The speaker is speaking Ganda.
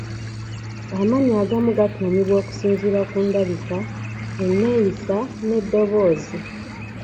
Amannya agamu gatuumibwa okusinziira ku ndabika, enneeyisa n'eddoboozi.